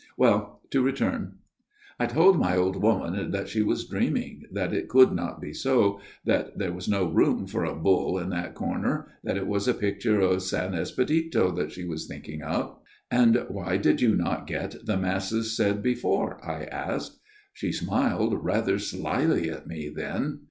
Well, to return. " I told my old woman that she was dreaming, that it could not be so, that there was no room for a bull in the corner, that it was a picture of S. Espedito that she was thinking of. "* And why did you not get the Masses said before ?' I asked. " She smiled rather slyly at me then.